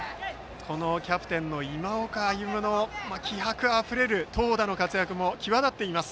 キャプテンの今岡歩夢の気迫あふれる投打の活躍も際立っています。